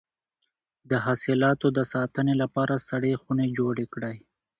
د حاصلاتو د ساتنې لپاره سړې خونې جوړې کړئ.